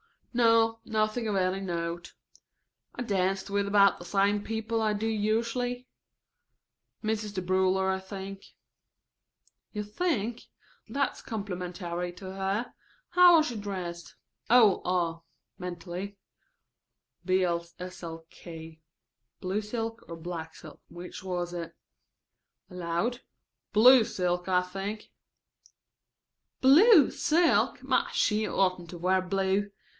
"No, nothing of any note. I danced with about the same people I do usually. Mrs. DeBruler, I think." "You think? That's complimentary to her. How was she dressed?" "Oh, ah; (mentally) 'bl. slk.' Blue silk or black silk, which was it? (Aloud) Blue silk, I think." "Blue silk! My, she oughtn't to wear blue.